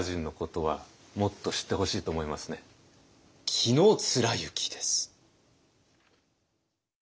紀貫之です。